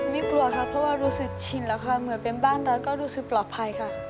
กลัวค่ะเพราะว่ารู้สึกชินแล้วค่ะเหมือนเป็นบ้านรัฐก็รู้สึกปลอดภัยค่ะ